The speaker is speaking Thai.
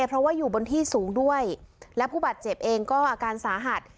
เพราะว่าอยู่บนที่สูงด้วยและผู้บาดเจ็บเองก็อาการสาหัส